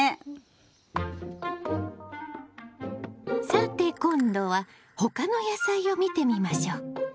さて今度は他の野菜を見てみましょう。